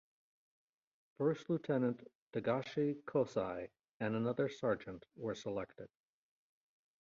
First Lieutenant Takeshi Kosai and another sergeant were selected.